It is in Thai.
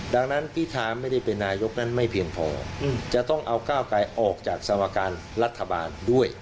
ดังนั้นพิธาไม่ได้เป็นนายกนั้นไม่เพียงพอจะต้องเอาก้าวไกลออกจากสมการรัฐบาลด้วย